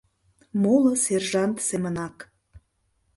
Моло сержант семынак.